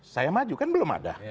saya maju kan belum ada